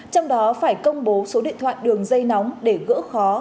trong đó phải công bố số điện thoại đường dây nóng để gỡ khó